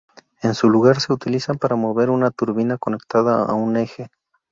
En su lugar, se utilizan para mover una turbina conectada a un eje.